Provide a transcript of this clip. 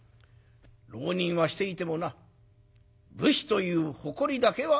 浪人はしていてもな武士という誇りだけは捨てたくはない。